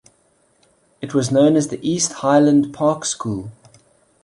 It was known as the East Highland Park School.